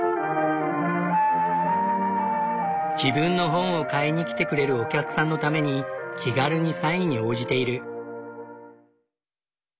自分の本を買いにきてくれるお客さんのために気軽にサインに応じている。